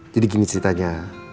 jadi gini ceritanya